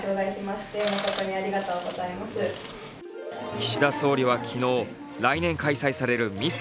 岸田総理は昨日、来年開催されるミス